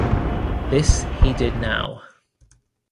This he did now.